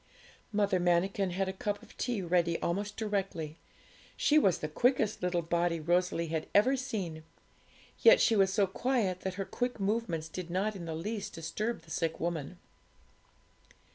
Mother Manikin had a cup of tea ready almost directly. She was the quickest little body Rosalie had ever seen; yet she was so quiet that her quick movements did not in the least disturb the sick woman.